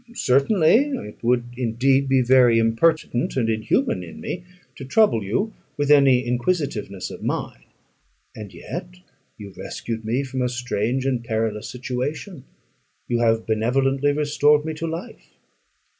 "Certainly; it would indeed be very impertinent and inhuman in me to trouble you with any inquisitiveness of mine." "And yet you rescued me from a strange and perilous situation; you have benevolently restored me to life."